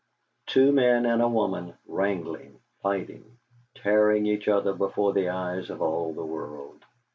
Two men and a woman wrangling, fighting, tearing each other before the eyes of all the world.